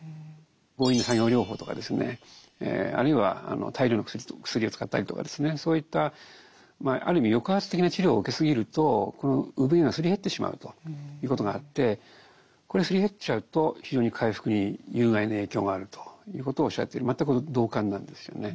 強引な作業療法とかですねあるいは大量の薬を使ったりとかですねそういったある意味抑圧的な治療を受けすぎるとこの生ぶ毛がすり減ってしまうということがあってこれがすり減っちゃうと非常に回復に有害な影響があるということをおっしゃってて全く同感なんですよね。